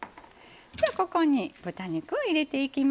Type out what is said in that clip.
ここに豚肉を入れていきます。